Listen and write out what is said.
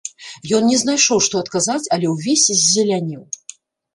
Ён не знайшоў, што адказаць, але ўвесь ззелянеў.